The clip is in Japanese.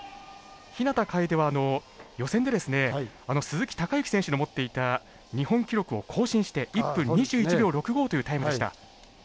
日向楓は、予選で鈴木孝幸選手の持っていた日本記録を更新して１分２１秒６５というタイムでした。